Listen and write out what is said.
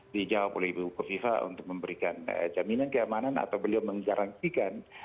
dijawab oleh ibu kofifah untuk memberikan jaminan keamanan atau beliau menggaransikan